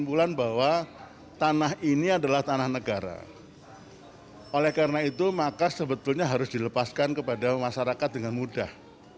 oleh karena itu maka sebetulnya harus dilepaskan kepada masyarakat dengan mudah